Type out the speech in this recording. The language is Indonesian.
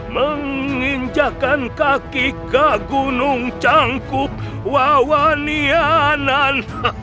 menginjakan kaki ke gunung cangguk guided the love in god